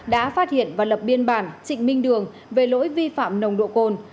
đã phát hiện và lập biên bản trịnh minh đường về lỗi vi phạm nồng độ cồn